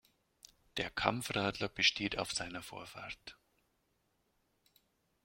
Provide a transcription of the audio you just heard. Der Kampfradler besteht auf seine Vorfahrt.